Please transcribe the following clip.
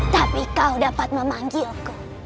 tapi kau dapat memanggilku